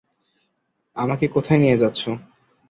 আমাকে কোথায় নিয়ে যাচ্ছ?